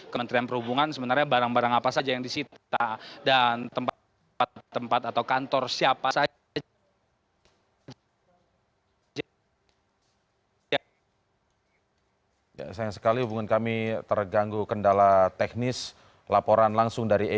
kementerian perhubungan sebenarnya barang barang apa saja yang disita